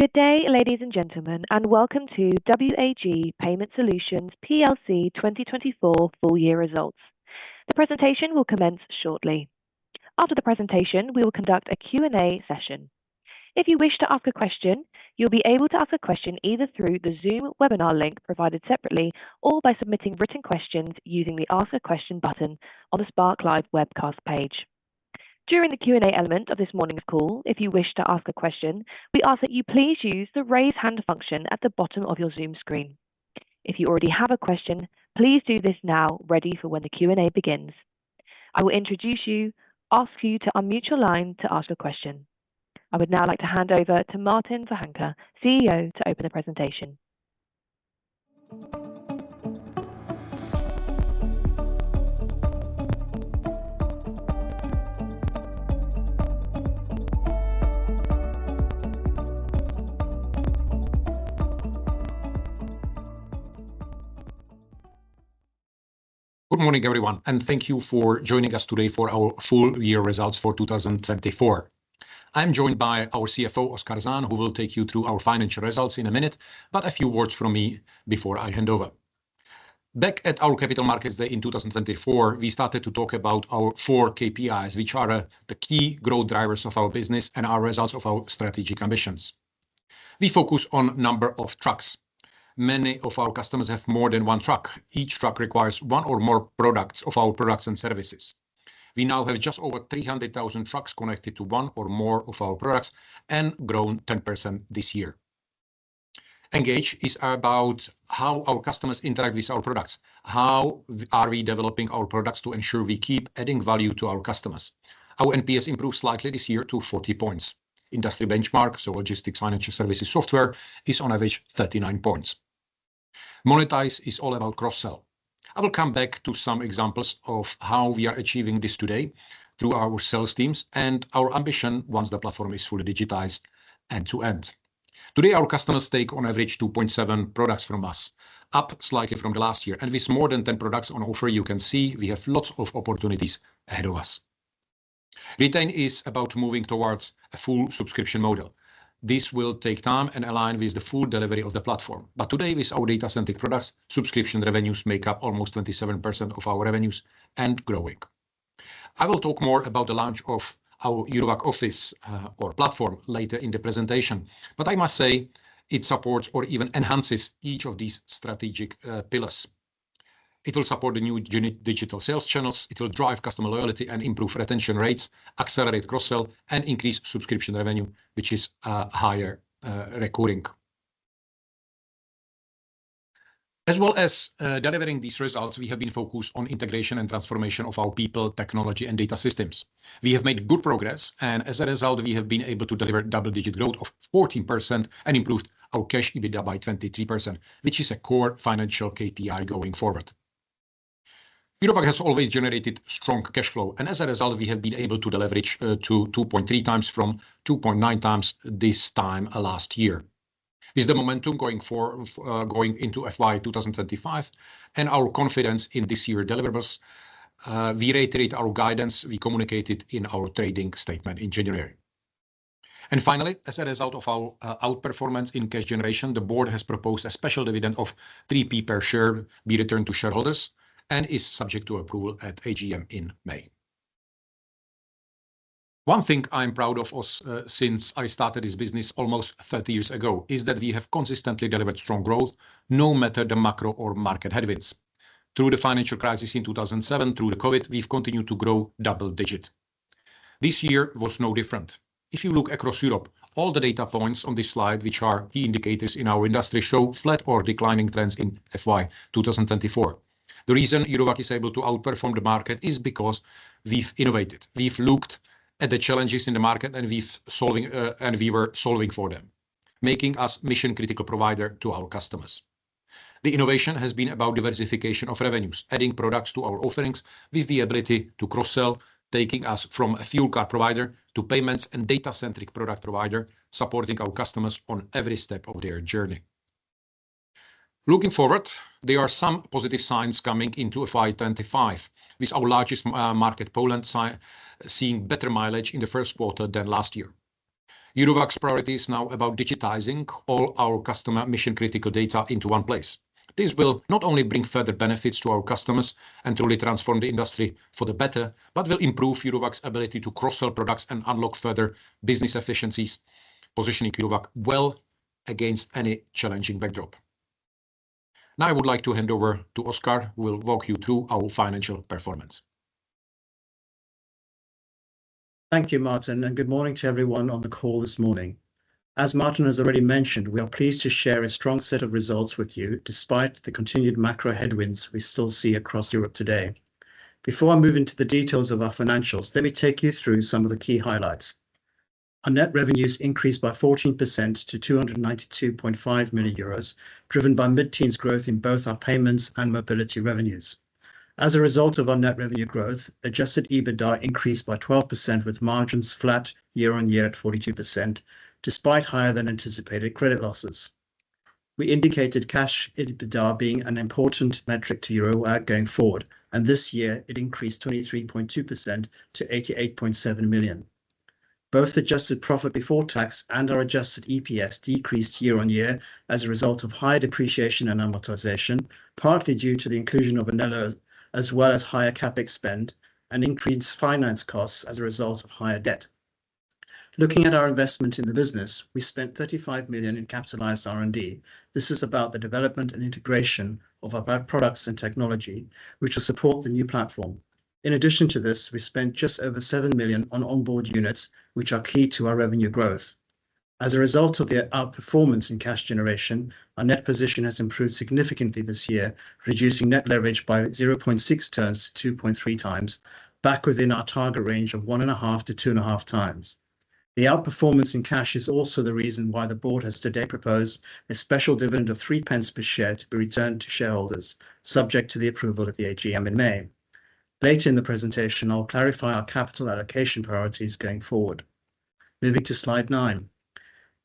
Good day, ladies and gentlemen, and welcome to W.A.G Payment Solutions 2024 full year results. The presentation will commence shortly. After the presentation, we will conduct a Q&A session. If you wish to ask a question, you'll be able to ask a question either through the Zoom webinar link provided separately or by submitting written questions using the Ask a Question button on the SparkLive webcast page. During the Q&A element of this morning's call, if you wish to ask a question, we ask that you please use the raise hand function at the bottom of your Zoom screen. If you already have a question, please do this now, ready for when the Q&A begins. I will introduce you, ask you to unmute your line to ask a question. I would now like to hand over to Martin Vohánka, CEO, to open the presentation. Good morning, everyone, and thank you for joining us today for our full year results for 2024. I'm joined by our CFO, Oskar Zahn, who will take you through our financial results in a minute, but a few words from me before I hand over. Back at our Capital Markets Day in 2024, we started to talk about our four KPIs, which are the key growth drivers of our business and our results of our strategic ambitions. We focus on the number of trucks. Many of our customers have more than one truck. Each truck requires one or more products of our products and services. We now have just over 300,000 trucks connected to one or more of our products and grown 10% this year. Engage is about how our customers interact with our products. How are we developing our products to ensure we keep adding value to our customers? Our NPS improved slightly this year to 40 points. Industry benchmark, so logistics, financial services, software is on average 39 points. Monetize is all about cross-sell. I will come back to some examples of how we are achieving this today through our sales teams and our ambition once the platform is fully digitized end-to-end. Today, our customers take on average 2.7 products from us, up slightly from the last year. With more than 10 products on offer, you can see we have lots of opportunities ahead of us. Retain is about moving towards a full subscription model. This will take time and align with the full delivery of the platform. Today, with our data-centric products, subscription revenues make up almost 27% of our revenues and growing. I will talk more about the launch of our Eurowag Office, our platform later in the presentation, but I must say it supports or even enhances each of these strategic pillars. It will support the new digital sales channels. It will drive customer loyalty and improve retention rates, accelerate cross-sell, and increase subscription revenue, which is a higher recurring. As well as delivering these results, we have been focused on integration and transformation of our people, technology, and data systems. We have made good progress, and as a result, we have been able to deliver double-digit growth of 14% and improved our cash EBITDA by 23%, which is a core financial KPI going forward. Eurowag has always generated strong cash flow, and as a result, we have been able to leverage to 2.3x from 2.9x this time last year. With the momentum going forward, going into FY 2025 and our confidence in this year's deliverables, we reiterate our guidance we communicated in our trading statement in January. Finally, as a result of our outperformance in cash generation, the board has proposed a special dividend of 0.03 per share be returned to shareholders and is subject to approval at AGM in May. One thing I'm proud of since I started this business almost 30 years ago is that we have consistently delivered strong growth, no matter the macro or market headwinds. Through the financial crisis in 2007, through the COVID, we've continued to grow double-digit. This year was no different. If you look across Europe, all the data points on this slide, which are key indicators in our industry, show flat or declining trends in FY 2024. The reason Eurowag is able to outperform the market is because we've innovated. We've looked at the challenges in the market and we've solved, and we were solving for them, making us a mission-critical provider to our customers. The innovation has been about diversification of revenues, adding products to our offerings with the ability to cross-sell, taking us from a fuel card provider to payments and data-centric product provider, supporting our customers on every step of their journey. Looking forward, there are some positive signs coming into fiscal year 2025 with our largest market, Poland, seeing better mileage in the Q1 than last year. Eurowag's priority is now about digitizing all our customer mission-critical data into one place. This will not only bring further benefits to our customers and truly transform the industry for the better, but will improve Eurowag's ability to cross-sell products and unlock further business efficiencies, positioning Eurowag well against any challenging backdrop. Now I would like to hand over to Oskar, who will walk you through our financial performance. Thank you, Martin, and good morning to everyone on the call this morning. As Martin has already mentioned, we are pleased to share a strong set of results with you despite the continued macro headwinds we still see across Europe today. Before I move into the details of our financials, let me take you through some of the key highlights. Our net revenues increased by 14% to 292.5 million euros, driven by mid-teens growth in both our payments and mobility revenues. As a result of our net revenue growth, adjusted EBITDA increased by 12%, with margins flat year on year at 42%, despite higher than anticipated credit losses. We indicated cash EBITDA being an important metric to Eurowag going forward, and this year it increased 23.2% to 88.7 million. Both adjusted profit before tax and our adjusted EPS decreased year on year as a result of high depreciation and amortization, partly due to the inclusion of Inelo, as well as higher CapEx spend and increased finance costs as a result of higher debt. Looking at our investment in the business, we spent 35 million in capitalized R&D. This is about the development and integration of our products and technology, which will support the new platform. In addition to this, we spent just over 7 million on onboard units, which are key to our revenue growth. As a result of the outperformance in cash generation, our net position has improved significantly this year, reducing net leverage by 0.6 turns to 2.3x, back within our target range of one and a half to two and a half times. The outperformance in cash is also the reason why the board has today proposed a special dividend of 0.03 per share to be returned to shareholders, subject to the approval of the AGM in May. Later in the presentation, I'll clarify our capital allocation priorities going forward. Moving to slide nine.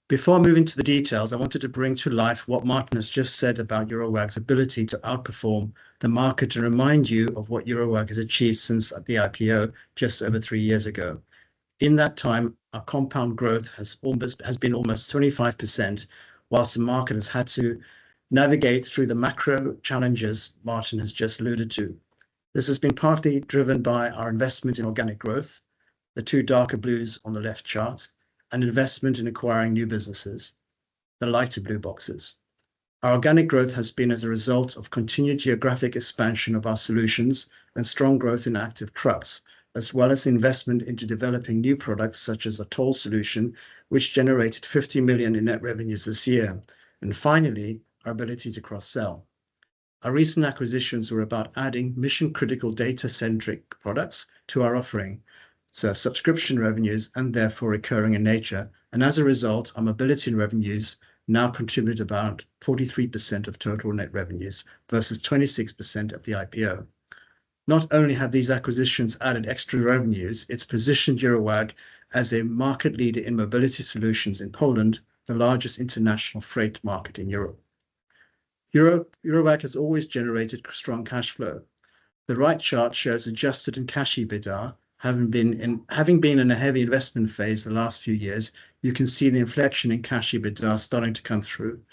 Before moving to the details, I wanted to bring to life what Martin has just said about Eurowag's ability to outperform the market and remind you of what Eurowag has achieved since the IPO just over three years ago. In that time, our compound growth has been almost 25%, whilst the market has had to navigate through the macro challenges Martin has just alluded to. This has been partly driven by our investment in organic growth, the two darker blues on the left chart, and investment in acquiring new businesses, the lighter blue boxes. Our organic growth has been as a result of continued geographic expansion of our solutions and strong growth in active trucks, as well as investment into developing new products such as a toll solution, which generated 50 million in net revenues this year. Finally, our ability to cross-sell. Our recent acquisitions were about adding mission-critical data-centric products to our offering, so subscription revenues and therefore recurring in nature. As a result, our mobility revenues now contribute about 43% of total net revenues versus 26% at the IPO. Not only have these acquisitions added extra revenues, it has positioned Eurowag as a market leader in mobility solutions in Poland, the largest international freight market in Europe. Eurowag has always generated strong cash flow. The right chart shows adjusted in cash EBITDA, having been in a heavy investment phase the last few years. You can see the inflection in cash EBITDA starting to come through.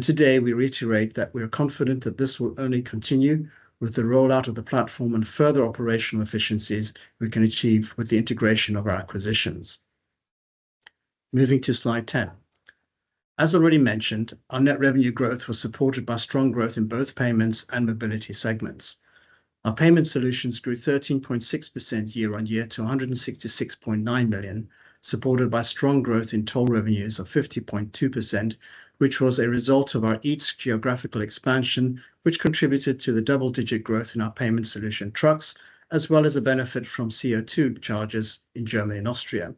Today, we reiterate that we are confident that this will only continue with the rollout of the platform and further operational efficiencies we can achieve with the integration of our acquisitions. Moving to slide 10. As already mentioned, our net revenue growth was supported by strong growth in both payments and mobility segments. Our payment solutions grew 13.6% year on year to 166.9 million, supported by strong growth in toll revenues of 50.2%, which was a result of our EETS geographical expansion, which contributed to the double-digit growth in our payment solution trucks, as well as a benefit from CO2 charges in Germany and Austria.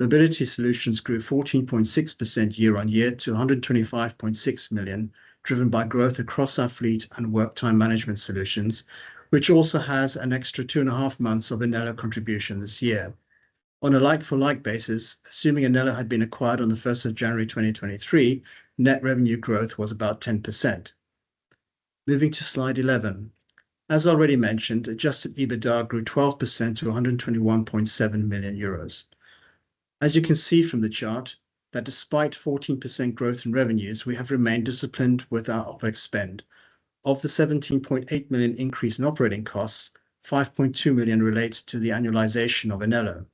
Mobility solutions grew 14.6% year on year to 125.6 million, driven by growth across our fleet and work-time management solutions, which also has an extra two and a half months of Inelo contribution this year. On a like-for-like basis, assuming Inelo had been acquired on the 1st of January 2023, net revenue growth was about 10%. Moving to slide 11. As already mentioned, adjusted EBITDA grew 12% to 121.7 million euros. As you can see from the chart, that despite 14% growth in revenues, we have remained disciplined with our OpEx spend. Of the 17.8 million increase in operating costs, 5.2 million relates to the annualization of Inelo.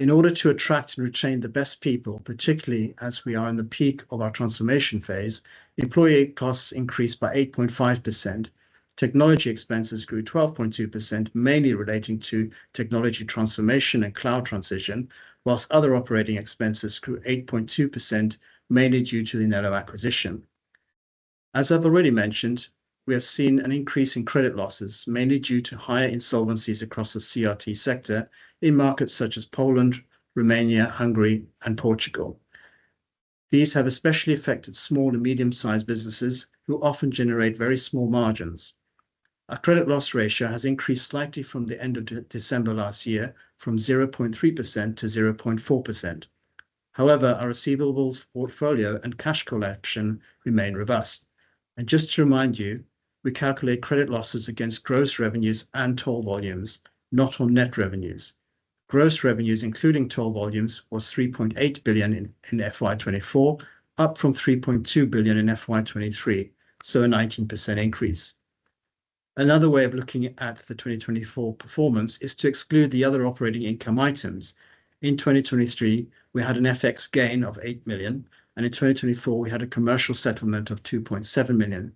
In order to attract and retain the best people, particularly as we are in the peak of our transformation phase, employee costs increased by 8.5%. Technology expenses grew 12.2%, mainly relating to technology transformation and cloud transition, whilst other operating expenses grew 8.2%, mainly due to the Inelo acquisition. As I've already mentioned, we have seen an increase in credit losses, mainly due to higher insolvencies across the CRT sector in markets such as Poland, Romania, Hungary, and Portugal. These have especially affected small and medium-sized businesses who often generate very small margins. Our credit loss ratio has increased slightly from the end of December last year from 0.3% to 0.4%. However, our receivables portfolio and cash collection remain robust. Just to remind you, we calculate credit losses against gross revenues and toll volumes, not on net revenues. Gross revenues, including toll volumes, was 3.8 billion in fiscal year 2024, up from 3.2 billion in fiscal year 2023, so a 19% increase. Another way of looking at the 2024 performance is to exclude the other operating income items. In 2023, we had an FX gain of 8 million, and in 2024, we had a commercial settlement of 2.7 million.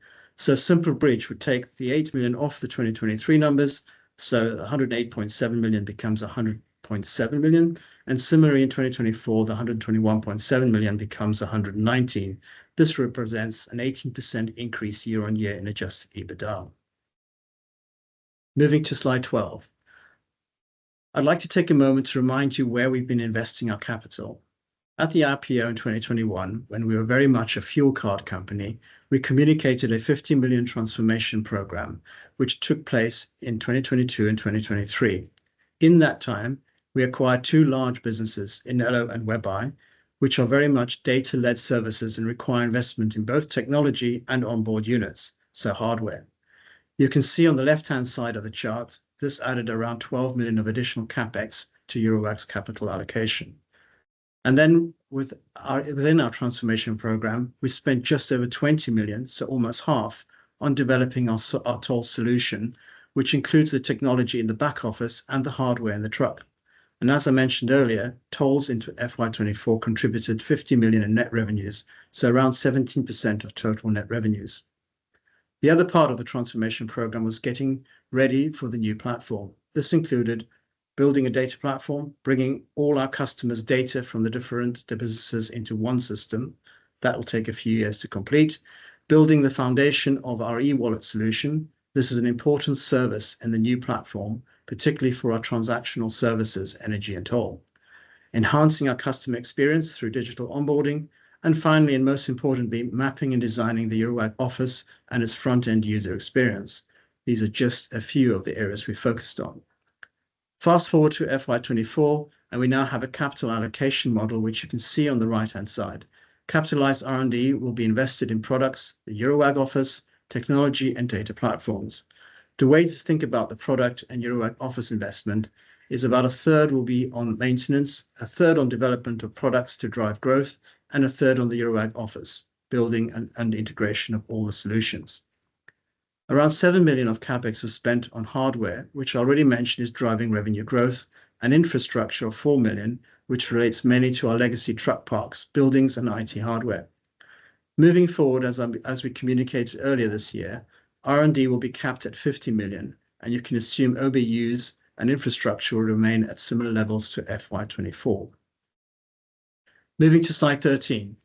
A simple bridge would take the 8 million off the 2023 numbers, so 108.7 million becomes 100.7 million. Similarly, in 2024, the 121.7 million becomes 119 million. This represents an 18% increase year on year in adjusted EBITDA. Moving to slide 12. I'd like to take a moment to remind you where we've been investing our capital. At the IPO in 2021, when we were very much a fuel card company, we communicated a 50 million transformation program, which took place in 2022 and 2023. In that time, we acquired two large businesses, Inelo and WebEye, which are very much data-led services and require investment in both technology and onboard units, so hardware. You can see on the left-hand side of the chart, this added around 12 million of additional CapEx to Eurowag's capital allocation. Within our transformation program, we spent just over 20 million, so almost half, on developing our toll solution, which includes the technology in the back office and the hardware in the truck. As I mentioned earlier, tolls into FY 2024 contributed 50 million in net revenues, so around 17% of total net revenues. The other part of the transformation program was getting ready for the new platform. This included building a data platform, bringing all our customers' data from the different businesses into one system that will take a few years to complete, building the foundation of our e-wallet solution. This is an important service in the new platform, particularly for our transactional services, energy and toll, enhancing our customer experience through digital onboarding. Finally, and most importantly, mapping and designing the Eurowag Office and its front-end user experience. These are just a few of the areas we focused on. Fast forward to fiscal year 2024, and we now have a capital allocation model, which you can see on the right-hand side. Capitalized R&D will be invested in products, the Eurowag Office, technology, and data platforms. The way to think about the product and Eurowag Office investment is about a third will be on maintenance, a third on development of products to drive growth, and a third on the Eurowag Office, building and integration of all the solutions. Around 7 million of CapEx was spent on hardware, which I already mentioned is driving revenue growth, and infrastructure of 4 million, which relates mainly to our legacy truck parks, buildings, and IT hardware. Moving forward, as we communicated earlier this year, R&D will be capped at 50 million, and you can assume OBUs and infrastructure will remain at similar levels to FY 2024. Moving to slide 13,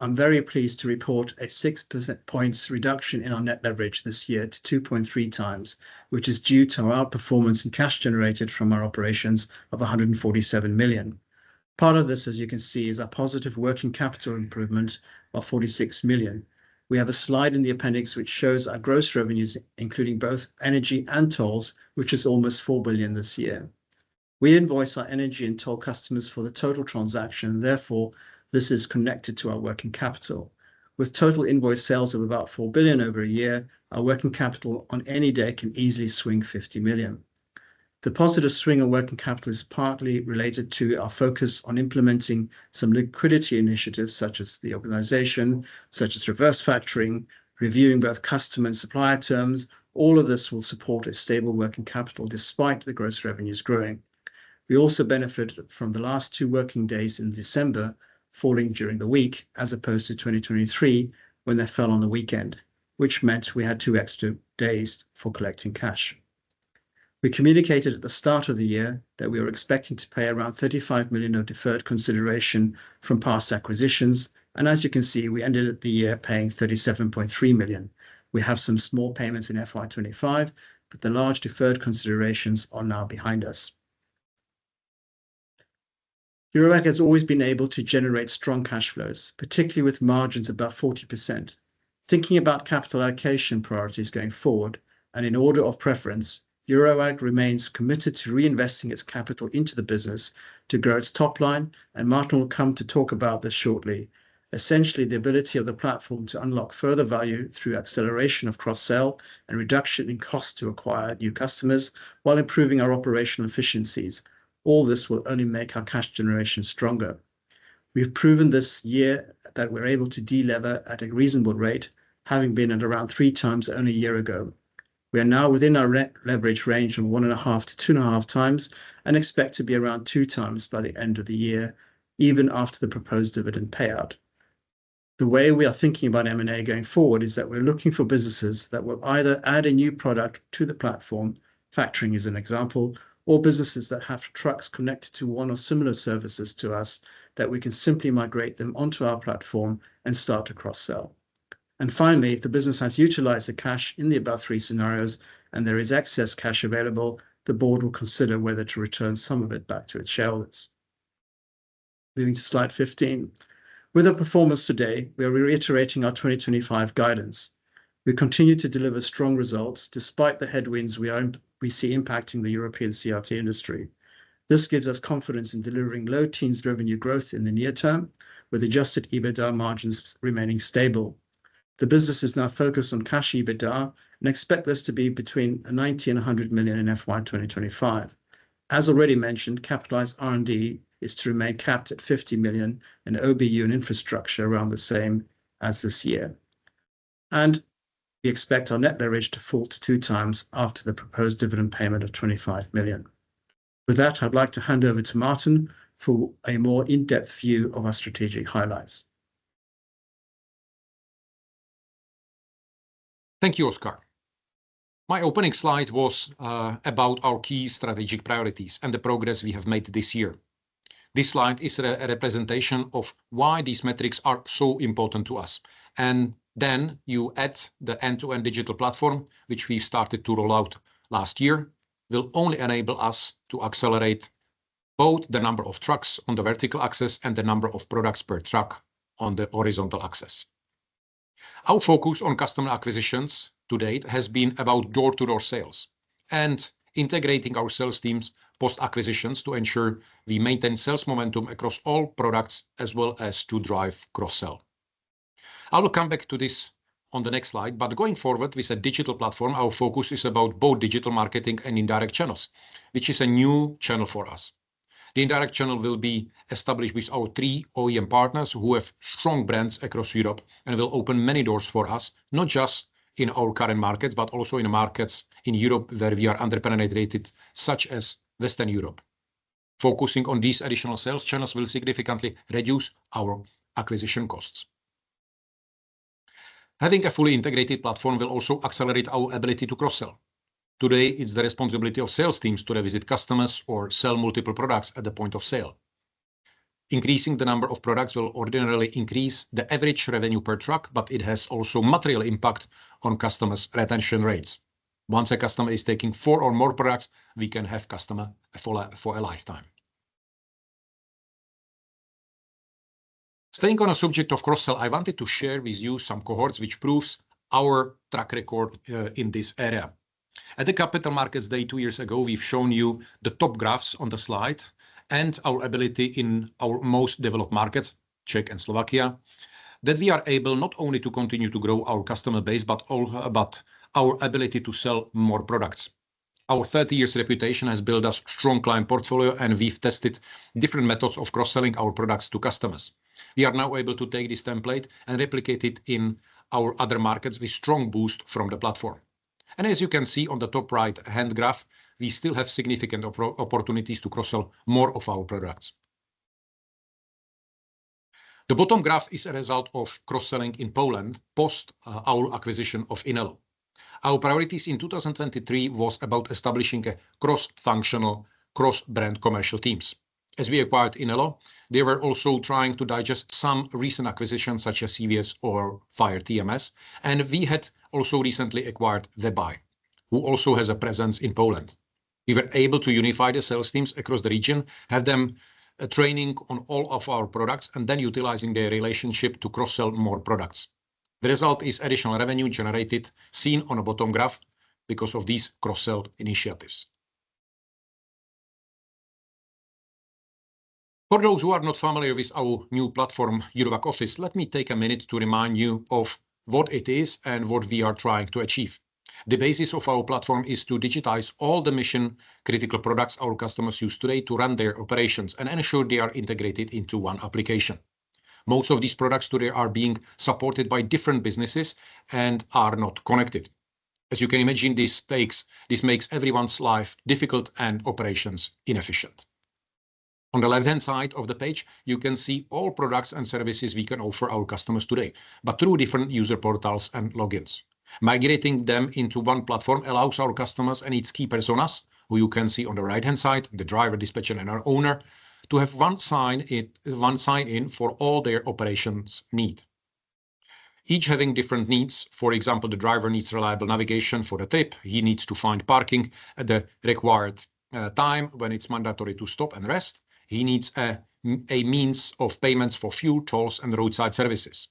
I'm very pleased to report a 6% points reduction in our net leverage this year to 2.3x, which is due to our outperformance in cash generated from our operations of 147 million. Part of this, as you can see, is our positive working capital improvement of 46 million. We have a slide in the appendix which shows our gross revenues, including both energy and tolls, which is almost 4 billion this year. We invoice our energy and toll customers for the total transaction, and therefore this is connected to our working capital. With total invoice sales of about 4 billion over a year, our working capital on any day can easily swing 50 million. The positive swing of working capital is partly related to our focus on implementing some liquidity initiatives such as the organization, such as reverse factoring, reviewing both customer and supplier terms. All of this will support a stable working capital despite the gross revenues growing. We also benefited from the last two working days in December falling during the week as opposed to 2023 when they fell on the weekend, which meant we had two extra days for collecting cash. We communicated at the start of the year that we were expecting to pay around 35 million of deferred consideration from past acquisitions. As you can see, we ended the year paying 37.3 million. We have some small payments in FY 2025, but the large deferred considerations are now behind us. Eurowag has always been able to generate strong cash flows, particularly with margins above 40%. Thinking about capital allocation priorities going forward, and in order of preference, Eurowag remains committed to reinvesting its capital into the business to grow its top line, and Martin will come to talk about this shortly. Essentially, the ability of the platform to unlock further value through acceleration of cross-sell and reduction in cost to acquire new customers while improving our operational efficiencies. All this will only make our cash generation stronger. We've proven this year that we're able to deliver at a reasonable rate, having been at around 3x only a year ago. We are now within our net leverage range of 1.5 to 2.5x and expect to be around 2x by the end of the year, even after the proposed dividend payout. The way we are thinking about M&A going forward is that we're looking for businesses that will either add a new product to the platform, factoring is an example, or businesses that have trucks connected to one or similar services to us that we can simply migrate them onto our platform and start to cross-sell. Finally, if the business has utilized the cash in the above three scenarios and there is excess cash available, the board will consider whether to return some of it back to its shareholders. Moving to slide 15. With our performance today, we are reiterating our 2025 guidance. We continue to deliver strong results despite the headwinds we see impacting the European CRT industry. This gives us confidence in delivering low teens revenue growth in the near term, with adjusted EBITDA margins remaining stable. The business is now focused on cash EBITDA and expect this to be between 90 million and 100 million in FY 2025. As already mentioned, capitalized R&D is to remain capped at 50 million and OBU and infrastructure around the same as this year. We expect our net leverage to fall to 2x after the proposed dividend payment of 25 million. With that, I'd like to hand over to Martin for a more in-depth view of our strategic highlights. Thank you, Oskar. My opening slide was about our key strategic priorities and the progress we have made this year. This slide is a representation of why these metrics are so impotant to us. You add the end-to-end digital platform, which we have started to roll out last year, will only enable us to accelerate both the number of trucks on the vertical axis and the number of products per truck on the horizontal axis. Our focus on customer acquisitions to date has been about door-to-door sales and integrating our sales teams post-acquisitions to ensure we maintain sales momentum across all products as well as to drive cross-sell. I will come back to this on the next slide, but going forward with a digital platform, our focus is about both digital marketing and indirect channels, which is a new channel for us. The indirect channel will be established with our three OEM partners who have strong brands across Europe and will open many doors for us, not just in our current markets, but also in the markets in Europe where we are underpenetrated, such as Western Europe. Focusing on these additional sales channels will significantly reduce our acquisition costs. Having a fully integrated platform will also accelerate our ability to cross-sell. Today, it's the responsibility of sales teams to revisit customers or sell multiple products at the point of sale. Increasing the number of products will ordinarily increase the average revenue per truck, but it has also material impact on customers' retention rates. Once a customer is taking four or more products, we can have customer for a lifetime. Staying on a subject of cross-sell, I wanted to share with you some cohorts which prove our track record in this area. At the Capital Markets Day two years ago, we've shown you the top graphs on the slide and our ability in our most developed markets, Czech and Slovakia, that we are able not only to continue to grow our customer base, but our ability to sell more products. Our 30 years reputation has built a strong client portfolio, and we've tested different methods of cross-selling our products to customers. We are now able to take this template and replicate it in our other markets with strong boost from the platform. As you can see on the top right-hand graph, we still have significant opportunities to cross-sell more of our products. The bottom graph is a result of cross-selling in Poland post our acquisition of Inelo. Our priorities in 2023 were about establishing cross-functional, cross-brand commercial teams. As we acquired Inelo, they were also trying to digest some recent acquisitions such as CVS or FireTMS, and we had also recently acquired WebEye, who also has a presence in Poland. We were able to unify the sales teams across the region, have them training on all of our products, and then utilizing their relationship to cross-sell more products. The result is additional revenue generated, seen on the bottom graph, because of these cross-sell initiatives. For those who are not familiar with our new platform, Eurowag Office, let me take a minute to remind you of what it is and what we are trying to achieve. The basis of our platform is to digitize all the mission-critical products our customers use today to run their operations and ensure they are integrated into one application. Most of these products today are being supported by different businesses and are not connected. As you can imagine, this makes everyone's life difficult and operations inefficient. On the left-hand side of the page, you can see all products and services we can offer our customers today, but through different user portals and logins. Migrating them into one platform allows our customers and its key personas, who you can see on the right-hand side, the driver, dispatcher, and our owner, to have one sign-in for all their operations need. Each having different needs. For example, the driver needs reliable navigation for the trip. He needs to find parking at the required time when it is mandatory to stop and rest. He needs a means of payments for fuel, tolls, and roadside services.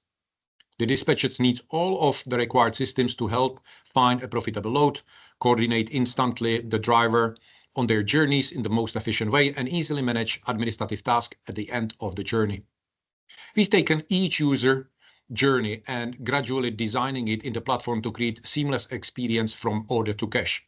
The dispatchers need all of the required systems to help find a profitable load, coordinate instantly the driver on their journeys in the most efficient way, and easily manage administrative tasks at the end of the journey. We have taken each user journey and gradually designed it in the platform to create a seamless experience from order to cash.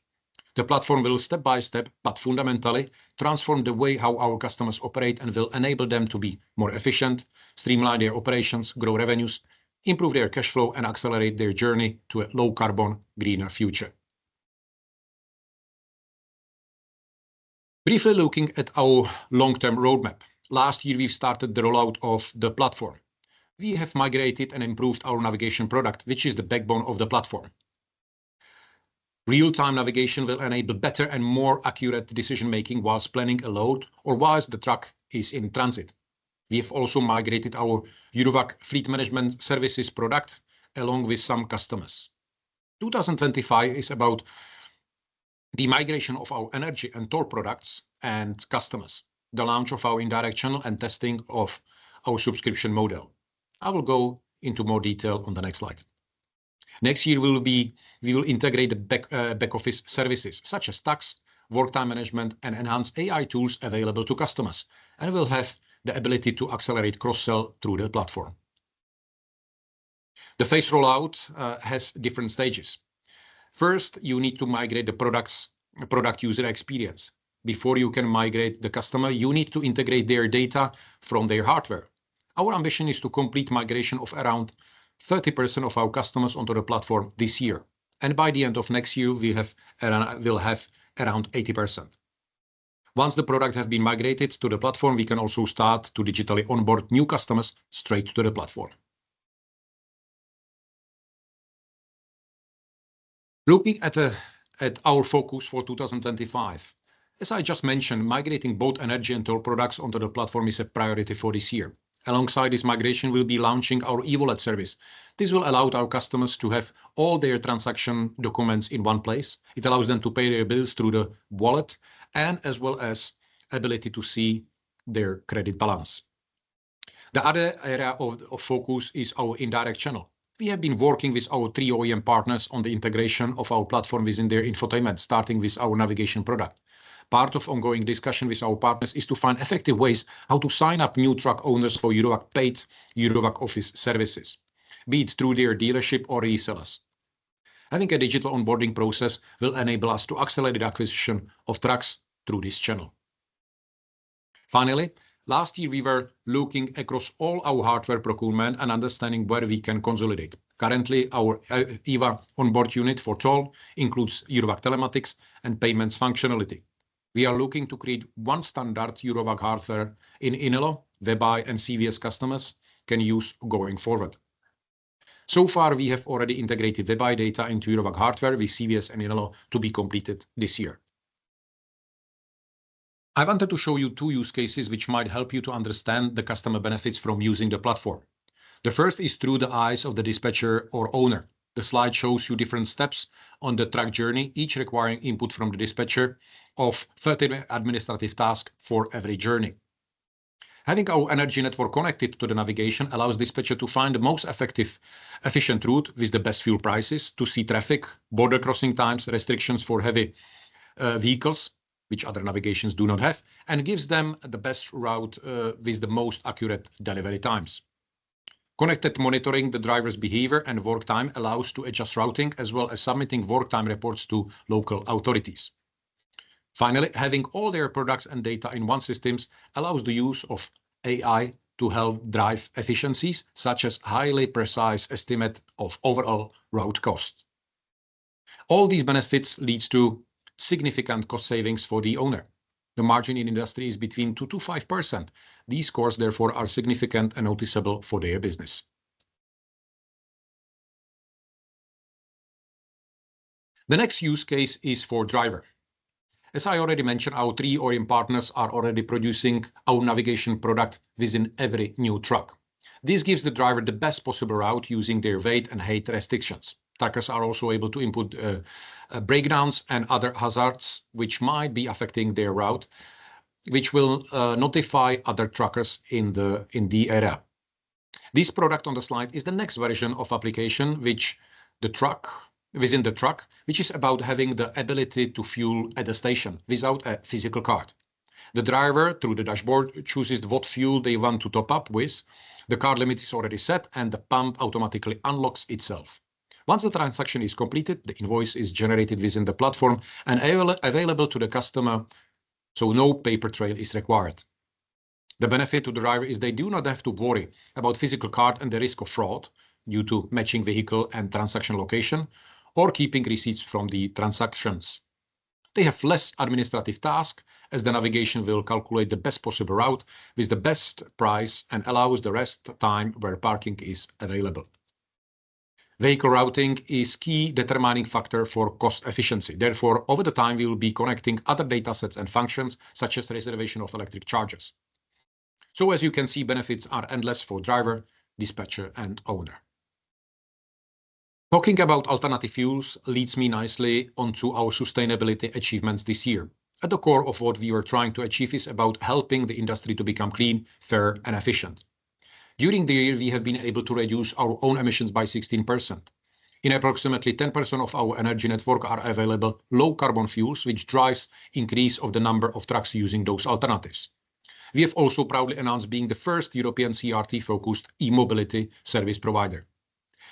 The platform will step by step, but fundamentally, transform the way how our customers operate and will enable them to be more efficient, streamline their operations, grow revenues, improve their cash flow, and accelerate their journey to a low-carbon, greener future. Briefly looking at our long-term roadmap, last year we have started the rollout of the platform. We have migrated and improved our navigation product, which is the backbone of the platform. Real-time navigation will enable better and more accurate decision-making whilst planning a load or whilst the truck is in transit. We have also migrated our Eurowag Fleet Management services product along with some customers. 2025 is about the migration of our energy and toll products and customers, the launch of our indirect channel and testing of our subscription model. I will go into more detail on the next slide. Next year, we will integrate back-office services such as tax, work-time management, and enhanced AI tools available to customers, and we'll have the ability to accelerate cross-sell through the platform. The phase rollout has different stages. First, you need to migrate the product user experience. Before you can migrate the customer, you need to integrate their data from their hardware. Our ambition is to complete the migration of around 30% of our customers onto the platform this year. By the end of next year, we will have around 80%. Once the product has been migrated to the platform, we can also start to digitally onboard new customers straight to the platform. Looking at our focus for 2025, as I just mentioned, migrating both energy and toll products onto the platform is a priority for this year. Alongside this migration, we'll be launching our e-wallet service. This will allow our customers to have all their transaction documents in one place. It allows them to pay their bills through the wallet, as well as the ability to see their credit balance. The other area of focus is our indirect channel. We have been working with our three OEM partners on the integration of our platform within their infotainment, starting with our navigation product. Part of ongoing discussion with our partners is to find effective ways how to sign up new truck owners for Eurowag Pay, Eurowag Office services, be it through their dealership or resellers. Having a digital onboarding process will enable us to accelerate the acquisition of trucks through this channel. Finally, last year, we were looking across all our hardware procurement and understanding where we can consolidate. Currently, our EVA Onboard Unit for toll includes Eurowag Telematics and payments functionality. We are looking to create one standard Eurowag hardware in Inelo where FireTMS and CVS customers can use going forward. So far, we have already integrated WebEye data into Eurowag hardware with CVS and Inelo to be completed this year. I wanted to show you two use cases which might help you to understand the customer benefits from using the platform. The first is through the eyes of the dispatcher or owner. The slide shows you different steps on the truck journey, each requiring input from the dispatcher of 30 administrative tasks for every journey. Having our energy network connected to the navigation allows the dispatcher to find the most efficient route with the best fuel prices to see traffic, border crossing times, restrictions for heavy vehicles, which other navigations do not have, and gives them the best route with the most accurate delivery times. Connected monitoring the driver's behavior and work time allows us to adjust routing as well as submitting work time reports to local authorities. Finally, having all their products and data in one system allows the use of AI to help drive efficiencies such as highly precise estimates of overall route costs. All these benefits lead to significant cost savings for the owner. The margin in industry is between 2%-5%. These scores, therefore, are significant and noticeable for their business. The next use case is for driver. As I already mentioned, our three OEM partners are already producing our navigation product within every new truck. This gives the driver the best possible route using their weight and height restrictions. Truckers are also able to input breakdowns and other hazards which might be affecting their route, which will notify other truckers in the area. This product on the slide is the next version of application within the truck, which is about having the ability to fuel at the station without a physical card. The driver, through the dashboard, chooses what fuel they want to top up with. The card limit is already set, and the pump automatically unlocks itself. Once the transaction is completed, the invoice is generated within the platform and available to the customer, so no paper trail is required. The benefit to the driver is they do not have to worry about physical cards and the risk of fraud due to matching vehicle and transaction location or keeping receipts from the transactions. They have fewer administrative tasks as the navigation will calculate the best possible route with the best price and allows the rest time where parking is available. Vehicle routing is a key determining factor for cost efficiency. Therefore, over time, we will be connecting other data sets and functions such as reservation of electric charges. As you can see, benefits are endless for driver, dispatcher, and owner. Talking about alternative fuels leads me nicely onto our sustainability achievements this year. At the core of what we were trying to achieve is about helping the industry to become clean, fair, and efficient. During the year, we have been able to reduce our own emissions by 16%. In approximately 10% of our energy network are available low-carbon fuels, which drives the increase of the number of trucks using those alternatives. We have also proudly announced being the first European CRT-focused e-mobility service provider.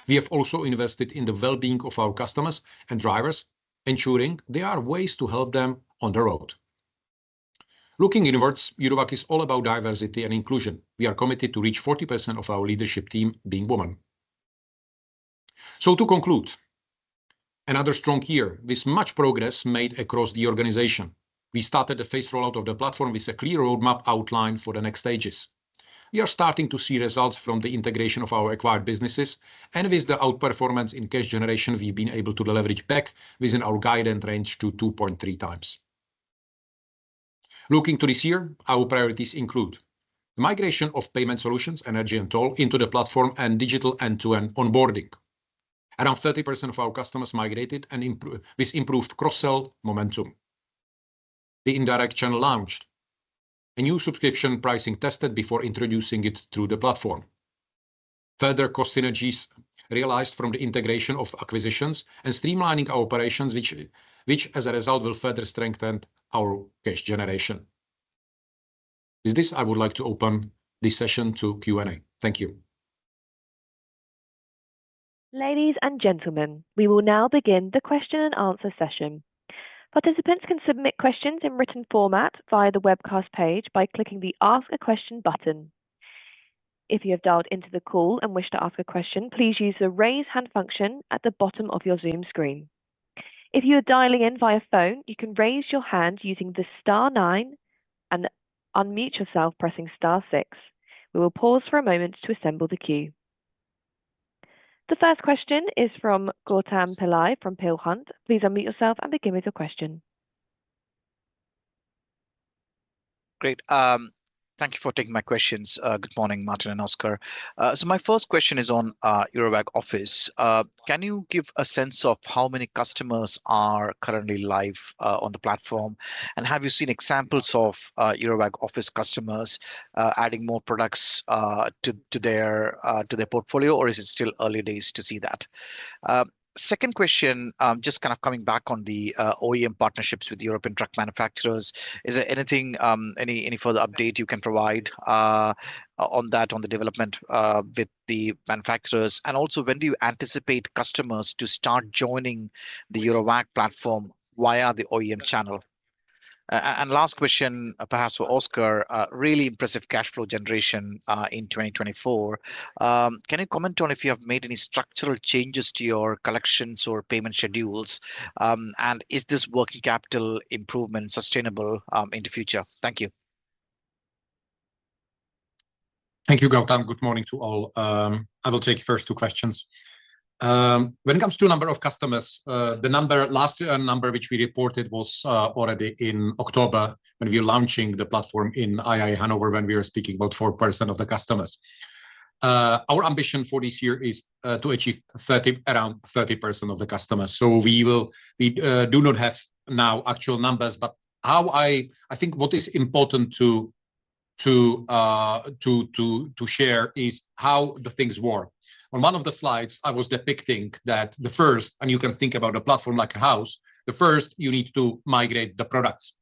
We have also invested in the well-being of our customers and drivers, ensuring there are ways to help them on the road. Looking inwards, Eurowag is all about diversity and inclusion. We are committed to reaching 40% of our leadership team being women. To conclude, another strong year with much progress made across the organization. We started the phased rollout of the platform with a clear roadmap outlined for the next stages. We are starting to see results from the integration of our acquired businesses, and with the outperformance in cash generation, we've been able to leverage back within our guidance range to 2.3x. Looking to this year, our priorities include the migration of payment solutions, energy and toll into the platform, and digital end-to-end onboarding. Around 30% of our customers migrated with improved cross-sell momentum. The indirect channel launched, a new subscription pricing tested before introducing it through the platform. Further cost synergies realized from the integration of acquisitions and streamlining our operations, which, as a result, will further strengthen our cash generation. With this, I would like to open this session to Q&A. Thank you. Ladies and gentlemen, we will now begin the question and answer session. Participants can submit questions in written format via the webcast page by clicking the Ask a Question button. If you have dialed into the call and wish to ask a question, please use the raise hand function at the bottom of your Zoom screen. If you are dialing in via phone, you can raise your hand using the star nine and unmute yourself pressing star six. We will pause for a moment to assemble the queue. The first question is from Gautam Pillai from Peel Hunt. Please unmute yourself and begin with your question. Great. Thank you for taking my questions. Good morning, Martin and Oskar. My first question is on Eurowag Office. Can you give a sense of how many customers are currently live on the platform, and have you seen examples of Eurowag Office customers adding more products to their portfolio, or is it still early days to see that? Second question, just kind of coming back on the OEM partnerships with European truck manufacturers, is there anything, any further update you can provide on that, on the development with the manufacturers, and also when do you anticipate customers to start joining the Eurowag platform via the OEM channel? Last question, perhaps for Oskar, really impressive cash flow generation in 2024. Can you comment on if you have made any structural changes to your collections or payment schedules, and is this working capital improvement sustainable in the future? Thank you. Thank you, Gautam. Good morning to all. I will take your first two questions. When it comes to the number of customers, the last number which we reported was already in October when we were launching the platform in IAA Hanover when we were speaking about 4% of the customers. Our ambition for this year is to achieve around 30% of the customers. We do not have now actual numbers, but what I think is important to share is how the things were. On one of the slides, I was depicting that the first, and you can think about a platform like a house, first you need to migrate the products,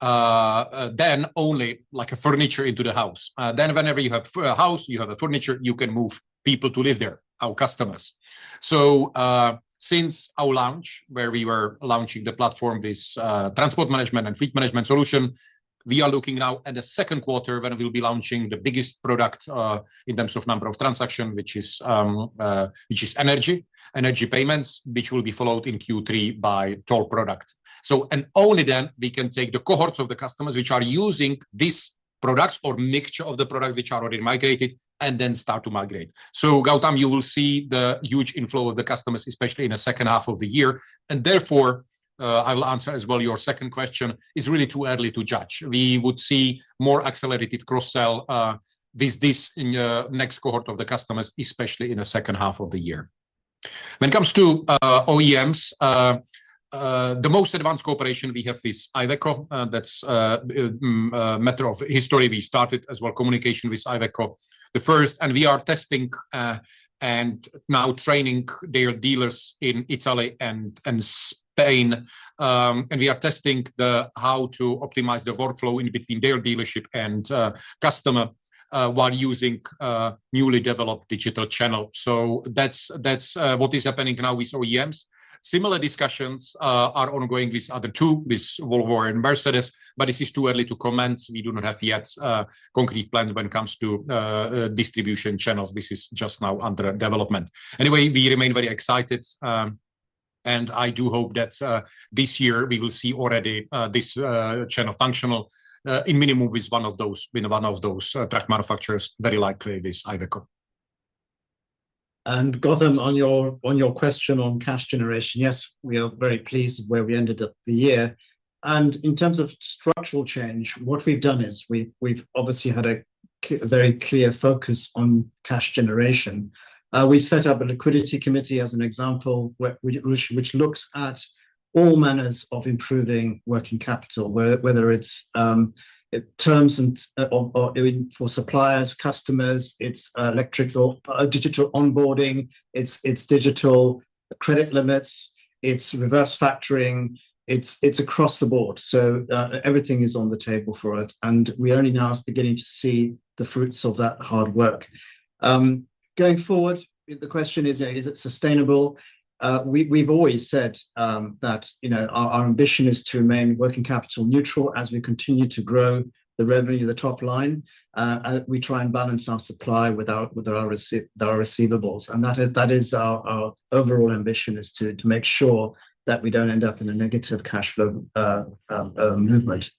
then only like a furniture into the house. Whenever you have a house, you have furniture, you can move people to live there, our customers. Since our launch where we were launching the platform with transport management and fleet management solution, we are looking now at the Q2 when we will be launching the biggest product in terms of number of transactions, which is energy, energy payments, which will be followed in Q3 by toll product. Only then we can take the cohorts of the customers which are using these products or a mixture of the products which are already migrated and then start to migrate. Gautam, you will see the huge inflow of the customers, especially in the second half of the year. Therefore, I will answer as well your second question, it's really too early to judge. We would see more accelerated cross-sell with this next cohort of the customers, especially in the second half of the year. When it comes to OEMs, the most advanced cooperation we have is with IVECO, that's a matter of history. We started as well communication with IVECO the first, and we are testing and now training their dealers in Italy and Spain. We are testing how to optimize the workflow in between their dealership and customer while using newly developed digital channels. That is what is happening now with OEMs. Similar discussions are ongoing with the other two, with Volvo and Mercedes, but this is too early to comment. We do not have yet concrete plans when it comes to distribution channels. This is just now under development. Anyway, we remain very excited, and I do hope that this year we will see already this channel functional in minimum with one of those, with one of those truck manufacturers, very likely with IVECO. Gautam, on your question on cash generation, yes, we are very pleased with where we ended up the year. In terms of structural change, what we have done is we have obviously had a very clear focus on cash generation. We've set up a liquidity committee as an example, which looks at all manners of improving working capital, whether it's terms and for suppliers, customers, it's electrical, digital onboarding, it's digital credit limits, it's reverse factoring, it's across the board. Everything is on the table for us, and we're only now beginning to see the fruits of that hard work. Going forward, the question is, is it sustainable? We've always said that our ambition is to remain working capital neutral as we continue to grow the revenue, the top line, and we try and balance our supply with our receivables. That is our overall ambition, to make sure that we don't end up in a negative cash flow movement.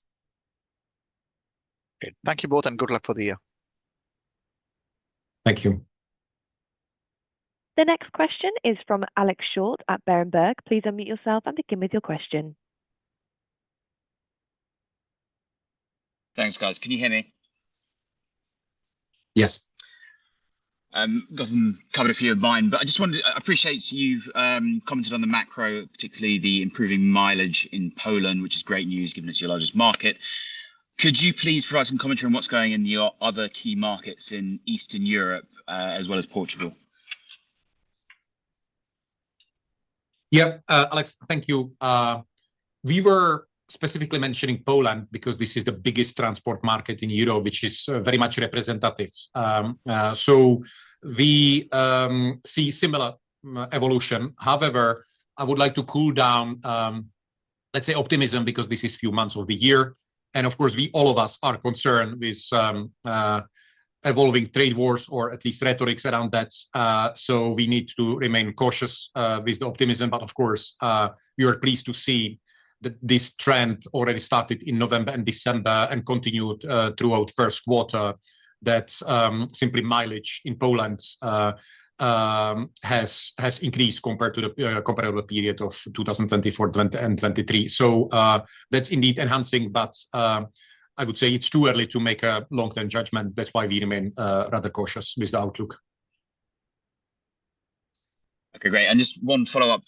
Thank you both, and good luck for the year. Thank you. The next question is from Alex Short at Berenberg. Please unmute yourself and begin with your question. Thanks, guys. Can you hear me? Yes. Gautam covered a few of mine, but I just wanted to appreciate you've commented on the macro, particularly the improving mileage in Poland, which is great news given it's your largest market. Could you please provide some commentary on what's going on in your other key markets in Eastern Europe as well as Portugal? Yep, Alex, thank you. We were specifically mentioning Poland because this is the biggest transport market in Europe, which is very much representative. We see similar evolution. However, I would like to cool down, let's say, optimism because this is a few months of the year. Of course, all of us are concerned with evolving trade wars or at least rhetorics around that. We need to remain cautious with the optimism. Of course, we are pleased to see that this trend already started in November and December and continued throughout the Q1, that simply mileage in Poland has increased compared to the comparable period of 2023 and 2024. That is indeed enhancing, but I would say it is too early to make a long-term judgment. That is why we remain rather cautious with the outlook. Okay, great. Just one follow-up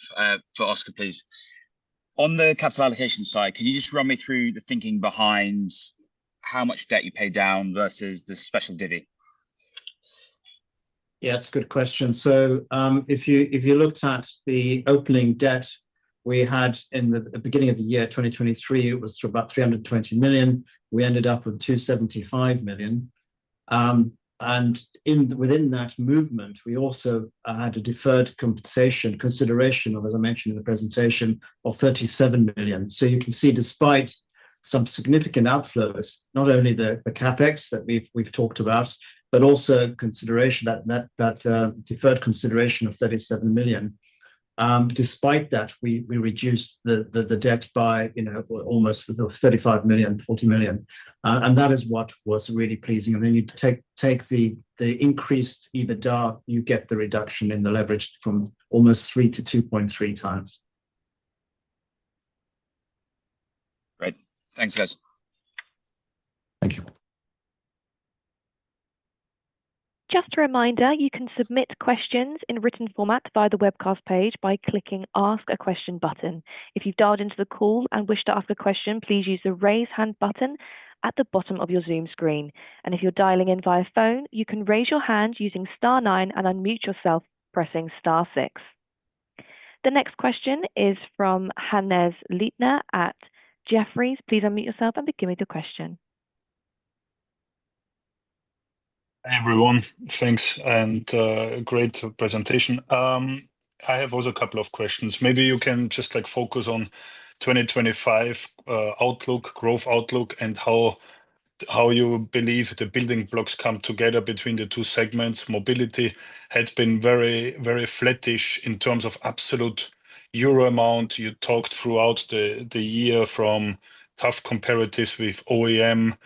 for Oskar, please. On the capital allocation side, can you just run me through the thinking behind how much debt you pay down versus the special dividend? Yeah, that is a good question. If you looked at the opening debt we had in the beginning of the year 2023, it was about 320 million. We ended up with 275 million. Within that movement, we also had a deferred compensation consideration of, as I mentioned in the presentation, of 37 million. You can see despite some significant outflows, not only the CapEx that we've talked about, but also that deferred consideration of 37 million. Despite that, we reduced the debt by almost 35 to 40 million. That is what was really pleasing. Then you take the increased EBITDA, you get the reduction in the leverage from almost 3 to 2.3x. Great. Thanks, guys. Just a reminder, you can submit questions in written format via the webcast page by clicking the Ask a Question button. If you've dialed into the call and wish to ask a question, please use the raise hand button at the bottom of your Zoom screen. If you're dialing in via phone, you can raise your hand using star nine and unmute yourself pressing star six. The next question is from Hannes Leitner at Jefferies. Please unmute yourself and begin with your question. Hi everyone, thanks. Great presentation. I have also a couple of questions. Maybe you can just focus on 2025 outlook, growth outlook, and how you believe the building blocks come together between the two segments. Mobility had been very, very flattish in terms of absolute euro amount. You talked throughout the year from tough comparatives with OEM.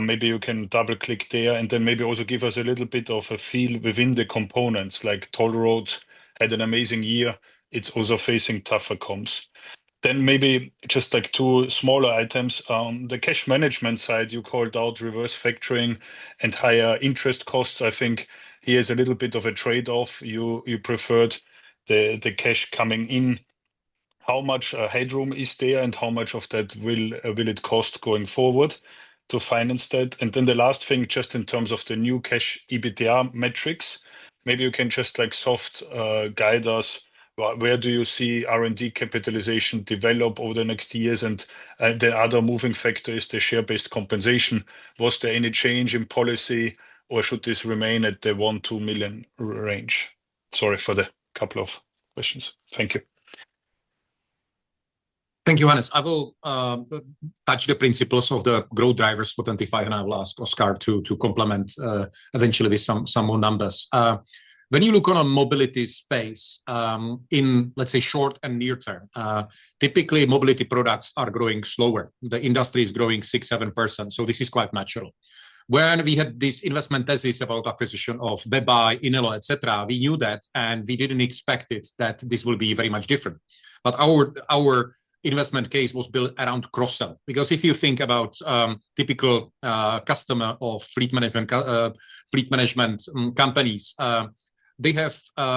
Maybe you can double-click there and then maybe also give us a little bit of a feel within the components. Like toll roads had an amazing year. It's also facing tougher comps. Maybe just two smaller items. On the cash management side, you called out reverse factoring and higher interest costs. I think here's a little bit of a trade-off. You preferred the cash coming in. How much headroom is there and how much of that will it cost going forward to finance that? The last thing, just in terms of the new cash EBITDA metrics, maybe you can just soft guide us. Where do you see R&D capitalization develop over the next years? The other moving factor is the share-based compensation. Was there any change in policy, or should this remain at the 1-2 million range? Sorry for the couple of questions. Thank you. Thank you, Hannes. I will touch the principles of the growth drivers for 2025, and I will ask Oskar to complement eventually with some more numbers. When you look on a mobility space in, let's say, short and near term, typically mobility products are growing slower. The industry is growing 6-7%, so this is quite natural. When we had this investment thesis about acquisition of WebEye, Inelo, etc., we knew that, and we didn't expect it that this will be very much different. But our investment case was built around cross-sell because if you think about typical customers of fleet management companies, they are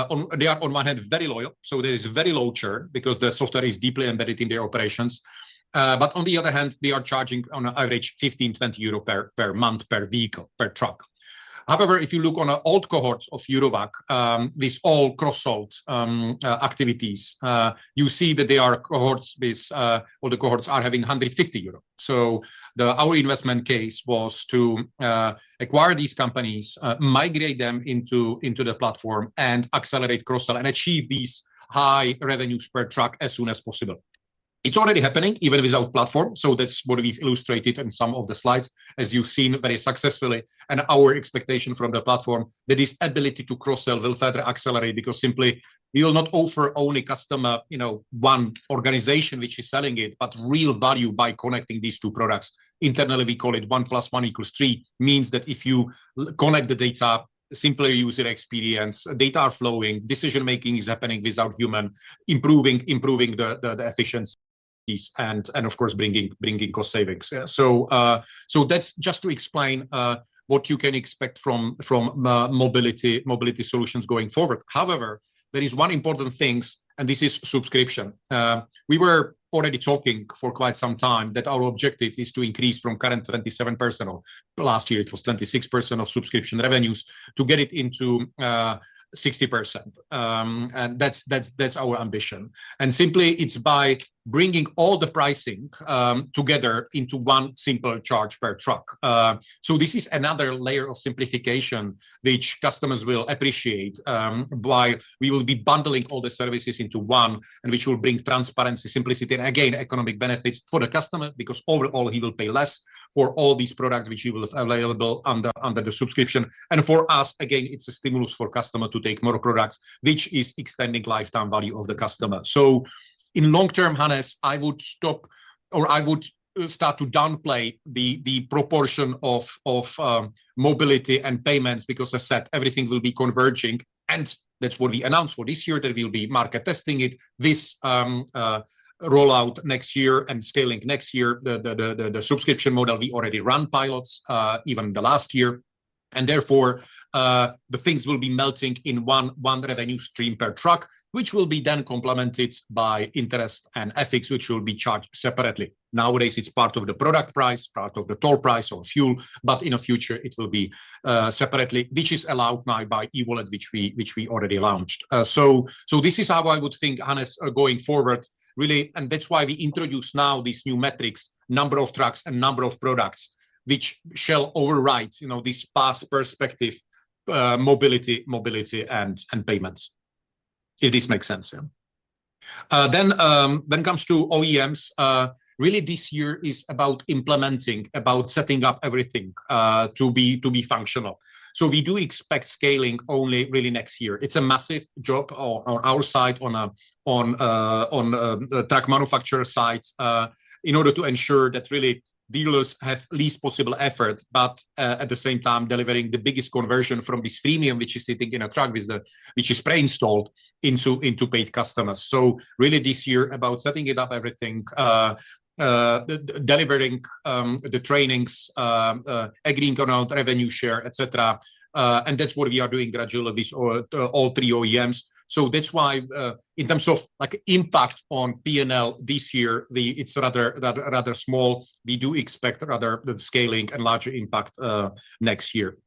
on one hand very loyal, so there is very low churn because the software is deeply embedded in their operations. On the other hand, they are charging on average 15 to 20 per month per vehicle, per truck. However, if you look on old cohorts of Eurowag, these all cross-sold activities, you see that they are cohorts with all the cohorts are having 150 euro. Our investment case was to acquire these companies, migrate them into the platform, and accelerate cross-sell and achieve these high revenues per truck as soon as possible. It is already happening even without platform, so that is what we have illustrated in some of the slides, as you have seen very successfully. Our expectation from the platform is that this ability to cross-sell will further accelerate because simply you will not offer only customer one organization which is selling it, but real value by connecting these two products. Internally, we call it one plus one equals three, which means that if you connect the data, simply user experience, data are flowing, decision-making is happening without human, improving the efficiencies and, of course, bringing cost savings. That is just to explain what you can expect from mobility solutions going forward. However, there is one important thing, and this is subscription. We were already talking for quite some time that our objective is to increase from current 27%. Last year, it was 26% of subscription revenues to get it into 60%. That is our ambition. Simply, it is by bringing all the pricing together into one simple charge per truck. This is another layer of simplification which customers will appreciate, why we will be bundling all the services into one, and which will bring transparency, simplicity, and again, economic benefits for the customer because overall, he will pay less for all these products which will be available under the subscription. For us, again, it is a stimulus for customers to take more products, which is extending lifetime value of the customer. In long term, Hannes, I would stop or I would start to downplay the proportion of mobility and payments because, as I said, everything will be converging. That is what we announced for this year, that we will be market testing it with rollout next year and scaling next year. The subscription model, we already run pilots even the last year. Therefore, the things will be melting in one revenue stream per truck, which will then be complemented by interest and FX, which will be charged separately. Nowadays, it is part of the product price, part of the toll price or fuel, but in the future, it will be separately, which is allowed now by e-wallet, which we already launched. This is how I would think, Hannes, going forward, really. That is why we introduce now these new metrics, number of trucks and number of products, which shall override this past perspective, mobility and payments, if this makes sense. When it comes to OEMs, really this year is about implementing, about setting up everything to be functional. We do expect scaling only really next year. It is a massive job on our side, on the truck manufacturer side, in order to ensure that dealers have the least possible effort, but at the same time, delivering the biggest conversion from this premium, which is sitting in a truck, which is pre-installed into paid customers. This year is really about setting it up, delivering the trainings, agreeing on revenue share, etc. That is what we are doing gradually with all three OEMs. That is why in terms of impact on P&L this year, it is rather small. We do expect the scaling and larger impact next year.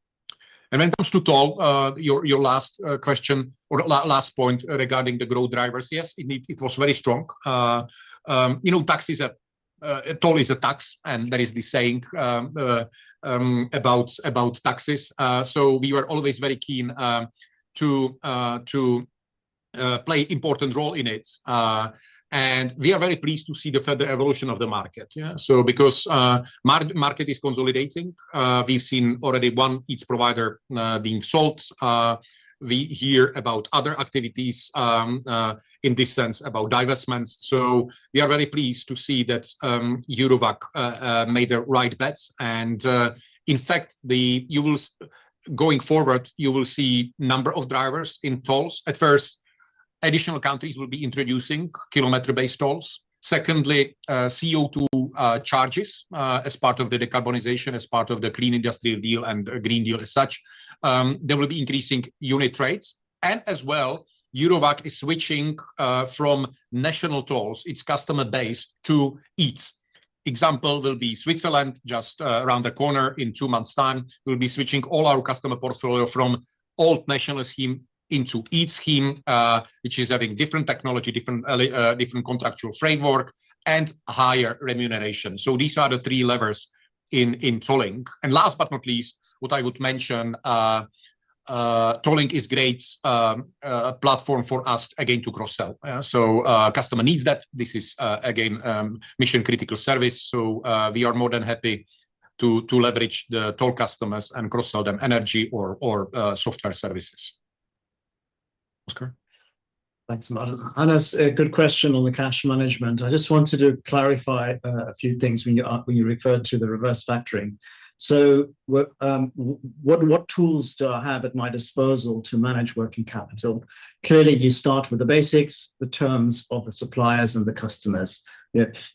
When it comes to toll, your last question or last point regarding the growth drivers, yes, it was very strong. Toll is a tax, and there is this saying about taxes. We were always very keen to play an important role in it. We are very pleased to see the further evolution of the market. Because the market is consolidating, we've seen already one EETS provider being sold. We hear about other activities in this sense about divestments. We are very pleased to see that Eurowag made the right bets. In fact, going forward, you will see a number of drivers in tolls. At first, additional countries will be introducing kilometer-based tolls. Secondly, CO2 charges as part of the decarbonization, as part of the Clean Industrial Deal and Green Deal as such. There will be increasing unit rates. As well, Eurowag is switching from national tolls, its customer base, to EETS. Example will be Switzerland just around the corner in two months' time. We'll be switching all our customer portfolio from old national scheme into EETS scheme, which is having different technology, different contractual framework, and higher remuneration. These are the three levers in tolling. Last but not least, what I would mention, tolling is a great platform for us again to cross-sell. Customer needs that. This is again mission-critical service. We are more than happy to leverage the toll customers and cross-sell them energy or software services. Oskar. Thanks, Martin. Hannes, good question on the cash management. I just wanted to clarify a few things when you referred to the reverse factoring. What tools do I have at my disposal to manage working capital? Clearly, you start with the basics, the terms of the suppliers and the customers.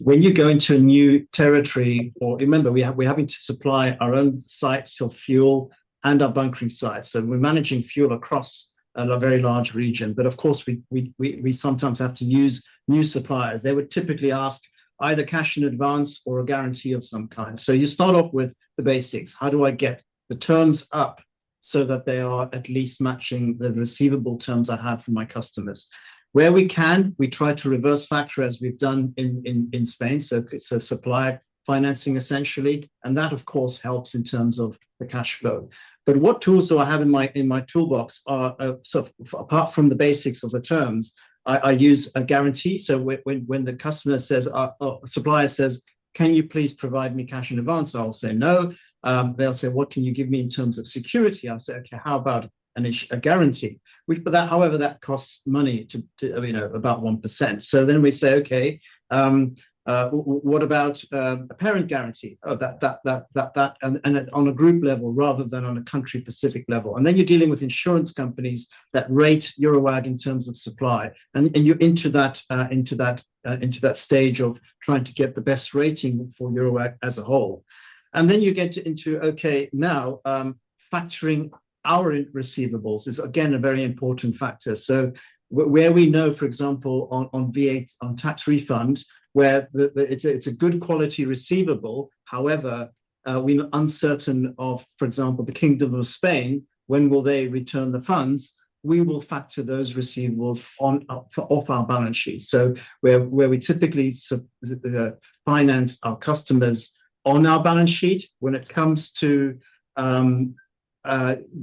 When you go into a new territory, or remember, we're having to supply our own sites of fuel and our bunkering sites. We are managing fuel across a very large region. Of course, we sometimes have to use new suppliers. They would typically ask either cash in advance or a guarantee of some kind. You start off with the basics. How do I get the terms up so that they are at least matching the receivable terms I have from my customers? Where we can, we try to reverse factor as we have done in Spain. Supply financing essentially. That, of course, helps in terms of the cash flow. What tools do I have in my toolbox? Apart from the basics of the terms, I use a guarantee. When the supplier says, "Can you please provide me cash in advance?" I will say no. They'll say, "What can you give me in terms of security?" I'll say, "Okay, how about a guarantee?" However, that costs money to about 1%. We say, "Okay, what about a parent guarantee?" and on a group level rather than on a country-specific level. You are dealing with insurance companies that rate Eurowag in terms of supply. You are into that stage of trying to get the best rating for Eurowag as a whole. You get into, okay, now factoring our receivables is again a very important factor. Where we know, for example, on tax refund, where it's a good quality receivable, however, we're uncertain of, for example, the Kingdom of Spain, when will they return the funds, we will factor those receivables off our balance sheet. Where we typically finance our customers on our balance sheet, when it comes to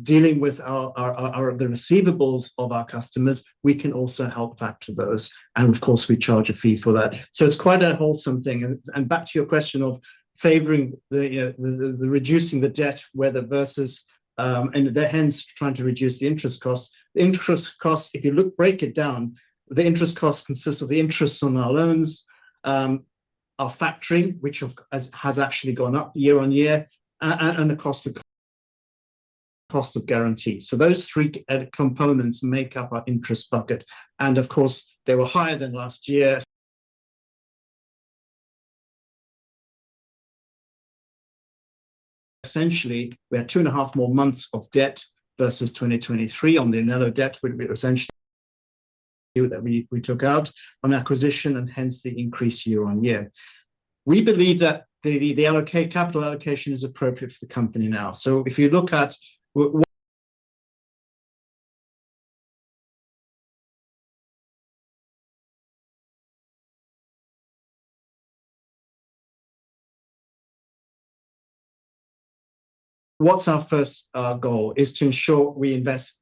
dealing with the receivables of our customers, we can also help factor those. Of course, we charge a fee for that. It is quite a wholesome thing. Back to your question of favoring reducing the debt versus trying to reduce the interest costs. The interest costs, if you look, break it down, the interest costs consist of the interest on our loans, our factoring, which has actually gone up year on year, and the cost of guarantee. Those three components make up our interest bucket. Of course, they were higher than last year. Essentially, we had two and a half more months of debt versus 2023 on the Inelo debt, which we took out on acquisition and hence the increase year on year. We believe that the capital allocation is appropriate for the company now. If you look at what's our first goal, it is to ensure we invest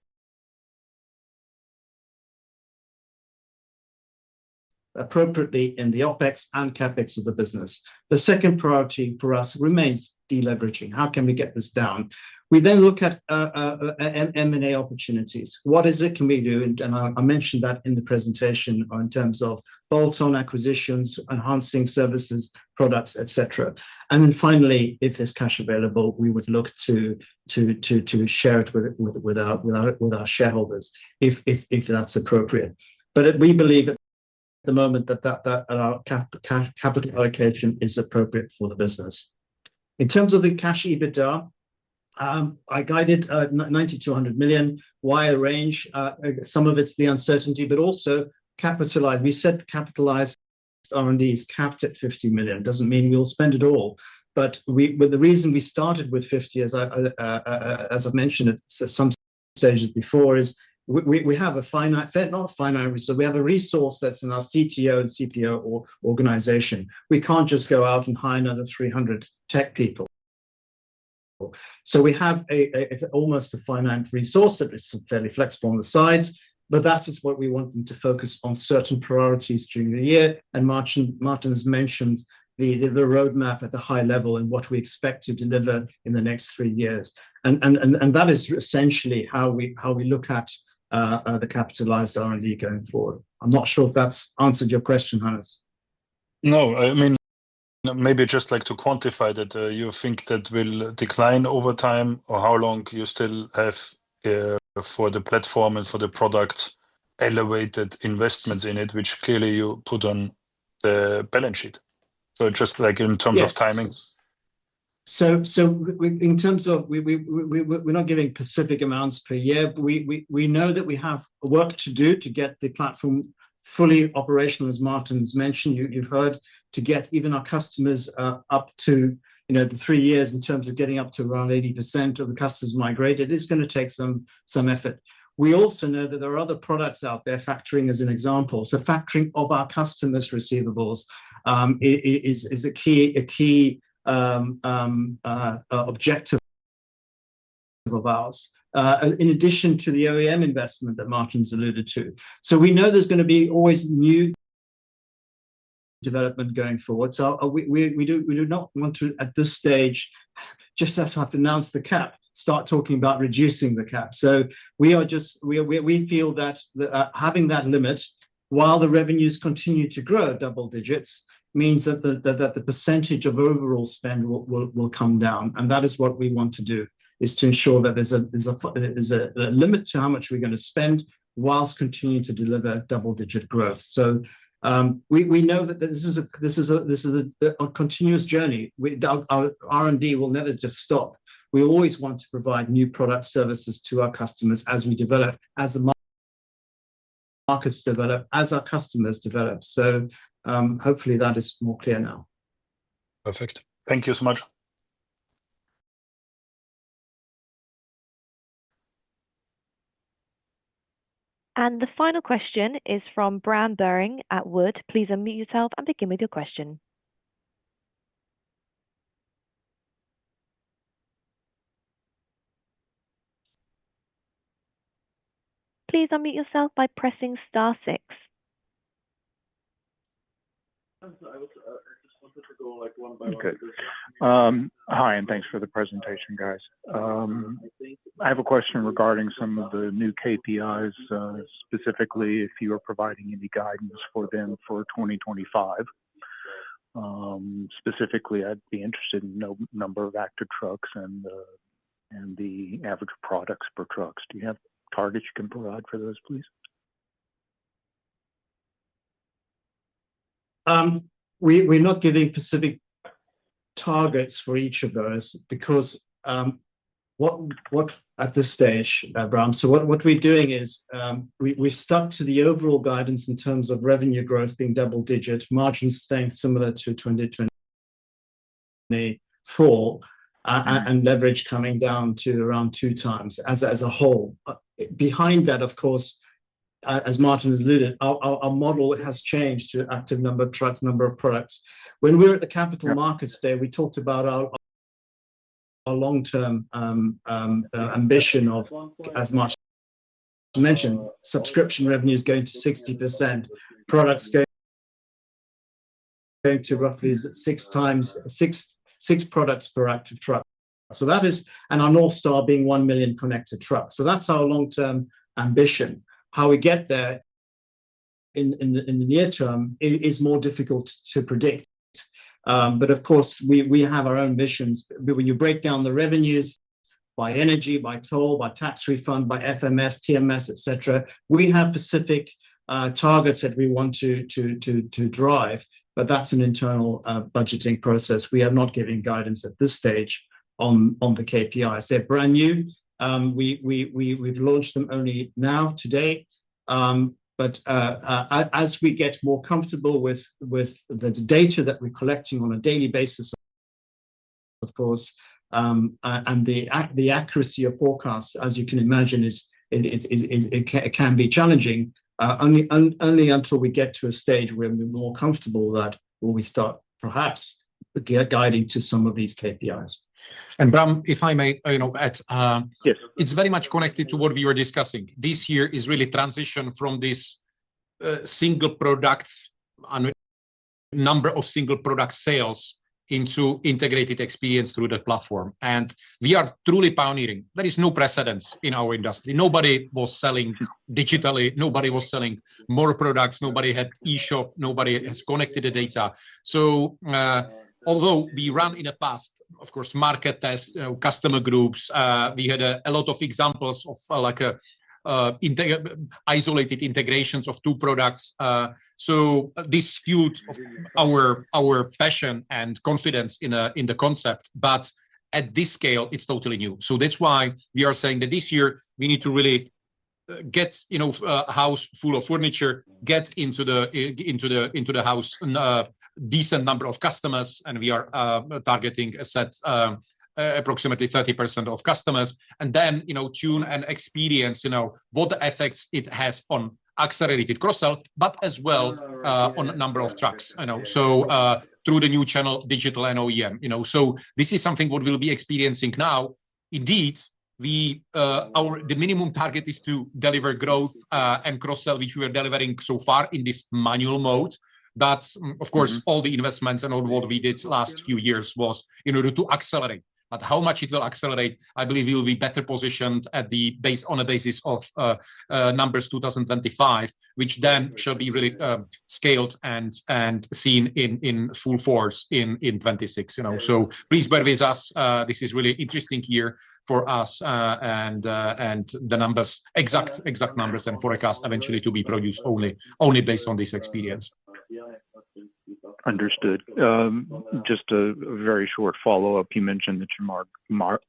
appropriately in the OpEx and CapEx of the business. The second priority for us remains deleveraging. How can we get this down? We then look at M&A opportunities. What is it can we do? I mentioned that in the presentation in terms of bolt-on acquisitions, enhancing services, products, etc. Finally, if there is cash available, we would look to share it with our shareholders if that is appropriate. We believe at the moment that our capital allocation is appropriate for the business. In terms of the cash EBITDA, I guided 90 to 100 million. Why a range? Some of it is the uncertainty, but also capitalized. We said capitalized R&D is capped at 50 million. It does not mean we will spend it all. The reason we started with 50, as I mentioned at some stages before, is we have a finite, not a finite resource. We have a resource that's in our CTO and CPO organization. We can't just go out and hire another 300 tech people. We have almost a finite resource that is fairly flexible on the sides, but that is what we want them to focus on certain priorities during the year. Martin has mentioned the roadmap at the high level and what we expect to deliver in the next three years. That is essentially how we look at the capitalized R&D going forward. I'm not sure if that's answered your question, Hannes. No. I mean, maybe just like to quantify that you think that will decline over time or how long you still have for the platform and for the product elevated investments in it, which clearly you put on the balance sheet. Just like in terms of timing. In terms of we're not giving specific amounts per year. We know that we have work to do to get the platform fully operational, as Martin's mentioned. You've heard to get even our customers up to the three years in terms of getting up to around 80% of the customers migrated. It's going to take some effort. We also know that there are other products out there factoring as an example. Factoring of our customers' receivables is a key objective of ours, in addition to the OEM investment that Martin's alluded to. We know there's going to be always new development going forward. We do not want to, at this stage, just as I've announced the cap, start talking about reducing the cap. We feel that having that limit, while the revenues continue to grow double digits, means that the percentage of overall spend will come down. That is what we want to do, to ensure that there's a limit to how much we're going to spend whilst continuing to deliver double-digit growth. We know that this is a continuous journey. R&D will never just stop. We always want to provide new product services to our customers as we develop, as the markets develop, as our customers develop. Hopefully that is more clear now. Perfect. Thank you so much. The final question is from Bram Buring at Wood. Please unmute yourself and begin with your question. Please unmute yourself by pressing star six. Hi, and thanks for the presentation, guys. I have a question regarding some of the new KPIs, specifically if you are providing any guidance for them for 2025. Specifically, I'd be interested in the number of active trucks and the average products per trucks. Do you have targets you can provide for those, please? We're not giving specific targets for each of those because what at this stage, Bram, so what we're doing is we've stuck to the overall guidance in terms of revenue growth being double-digit, margin staying similar to 2024, and leverage coming down to around two times as a whole. Behind that, of course, as Martin has alluded, our model has changed to active number of trucks, number of products. When we were at the Capital Markets Day, we talked about our long-term ambition of, as much as mentioned, subscription revenues going to 60%, products going to roughly six products per active truck. Our North Star being one million connected trucks. That is our long-term ambition. How we get there in the near term is more difficult to predict. Of course, we have our own ambitions. When you break down the revenues by energy, by toll, by tax refund, by FMS, TMS, etc., we have specific targets that we want to drive, but that is an internal budgeting process. We are not giving guidance at this stage on the KPIs. They are brand new. We have launched them only now today. As we get more comfortable with the data that we're collecting on a daily basis, of course, and the accuracy of forecasts, as you can imagine, it can be challenging only until we get to a stage where we're more comfortable that we start perhaps guiding to some of these KPIs. Bram, if I may, it's very much connected to what we were discussing. This year is really transition from this single product and number of single product sales into integrated experience through the platform. We are truly pioneering. There is no precedence in our industry. Nobody was selling digitally. Nobody was selling more products. Nobody had e-shop. Nobody has connected the data. Although we run in the past, of course, market tests, customer groups, we had a lot of examples of isolated integrations of two products. This fueled our passion and confidence in the concept. At this scale, it's totally new. That is why we are saying that this year we need to really get a house full of furniture, get into the house a decent number of customers, and we are targeting approximately 30% of customers. Then tune and experience what effects it has on accelerated cross-sell, as well as on the number of trucks through the new channel, digital and OEM. This is something we will be experiencing now. Indeed, the minimum target is to deliver growth and cross-sell, which we are delivering so far in this manual mode. Of course, all the investments and all that we did in the last few years was in order to accelerate. How much it will accelerate, I believe we will be better positioned on a basis of numbers 2025, which then shall be really scaled and seen in full force in 2026. Please bear with us. This is really interesting year for us and the exact numbers and forecast eventually to be produced only based on this experience. Understood. Just a very short follow-up. You mentioned that you're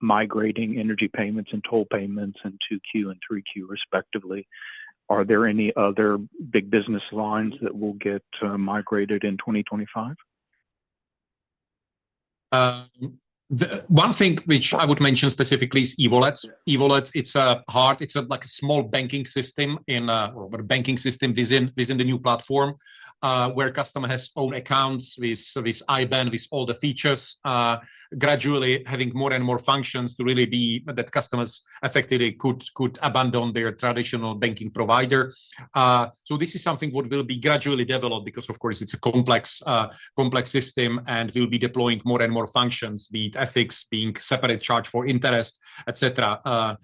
migrating energy payments and toll payments into Q2 and 3Q respectively. Are there any other big business lines that will get migrated in 2025? One thing which I would mention specifically is e-wallets. E-wallets, it's a heart. It's like a small banking system within the new platform where customer has own accounts with IBAN, with all the features, gradually having more and more functions to really be that customers effectively could abandon their traditional banking provider. This is something that will be gradually developed because, of course, it's a complex system and we'll be deploying more and more functions, be it FX, being separate charge for interest, etc.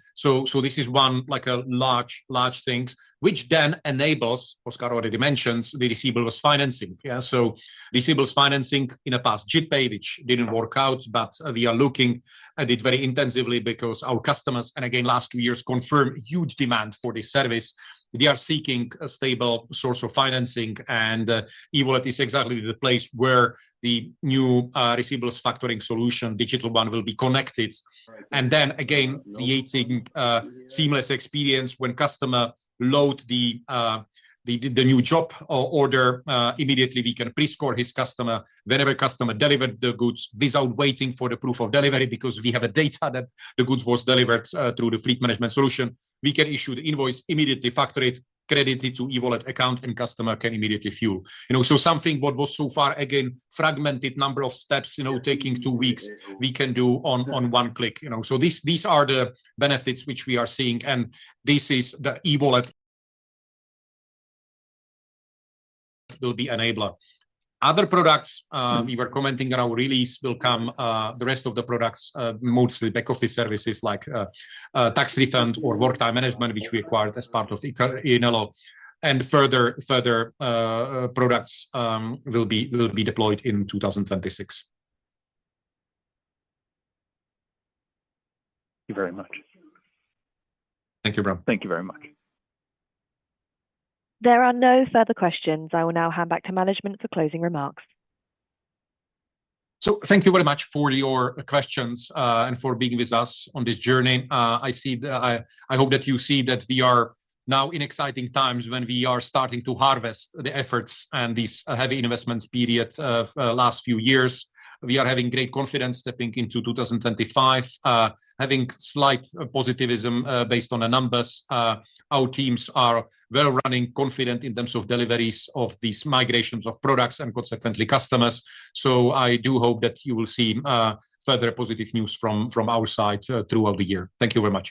This is one large thing which then enables, Oskar already mentioned, the receivables financing. Receivables financing in the past, JITpay, which didn't work out, but we are looking at it very intensively because our customers, and again, last two years, confirmed huge demand for this service. They are seeking a stable source of financing, and e-wallet is exactly the place where the new receivables factoring solution, digital one, will be connected. Again, creating seamless experience when customer loads the new job order, immediately we can prescore his customer whenever customer delivered the goods without waiting for the proof of delivery because we have data that the goods was delivered through the fleet management solution. We can issue the invoice immediately, factor it, credit it to e-wallet account, and customer can immediately fuel. Something what was so far, again, fragmented number of steps, taking two weeks, we can do on one click. These are the benefits which we are seeing, and this is the e-wallet will be enabled. Other products we were commenting on our release will come, the rest of the products, mostly back office services like tax refund or work time management, which we acquired as part of Inelo. Further products will be deployed in 2026. Thank you very much. Thank you, Bram. Thank you very much. There are no further questions. I will now hand back to management for closing remarks. Thank you very much for your questions and for being with us on this journey. I hope that you see that we are now in exciting times when we are starting to harvest the efforts and this heavy investments period last few years. We are having great confidence stepping into 2025, having slight positivism based on the numbers. Our teams are well running, confident in terms of deliveries of these migrations of products and consequently customers. I do hope that you will see further positive news from our side throughout the year. Thank you very much.